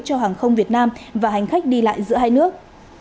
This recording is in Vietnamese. cho hàng không việt nam và hành khách đi lại giữa hai nước